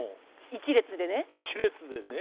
一列でね。